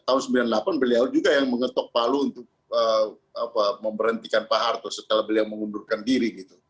tahun sembilan puluh delapan beliau juga yang mengetok palu untuk memberhentikan pak harto setelah beliau mengundurkan diri gitu